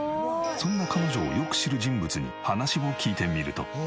そんな彼女をよく知る人物に話を聞いてみると。